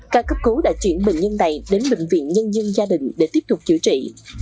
ca cấp cứu đã chuyển bệnh nhân này đến bệnh viện nhân dân gia đình để tiếp tục chữa trị